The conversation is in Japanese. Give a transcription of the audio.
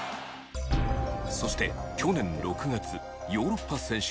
そして去年６月ヨーロッパ選手権。